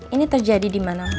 ini terjadi di mana